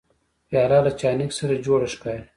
پیاله له چاینکي سره جوړه ښکاري.